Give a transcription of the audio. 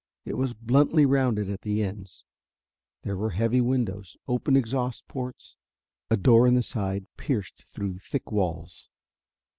It was bluntly rounded at the ends. There were heavy windows, open exhaust ports, a door in the side, pierced through thick walls.